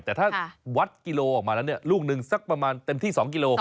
แต่ถ้าวัดกิโลออกมาแล้วเนี่ยลูกหนึ่งสักประมาณเต็มที่๒กิโล